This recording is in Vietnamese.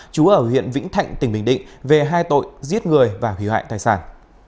chú ở huyện vĩnh thạnh tỉnh bình định về hai tội giết người và hủy hoại tài sản